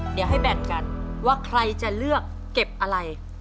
เดี๋ยวให้แบ่งกันว่าใครจะเลือกเก็บอะไร